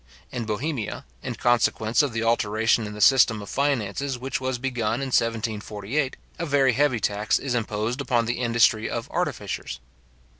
In Bohemia, in consequence of the alteration in the system of finances which was begun in 1748, a very heavy tax is imposed upon the industry of artificers.